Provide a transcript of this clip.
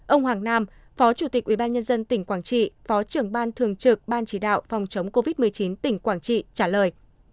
ông hoàng nam phó chủ tịch ubnd tỉnh quảng trị phó trưởng ban thường trực ban chỉ đạo phòng chống covid một mươi chín tỉnh quảng trị trả lời